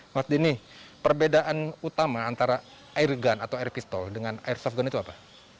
mas dini perbedaan utama antara airgun atau air pistol dengan airsoft gun itu apa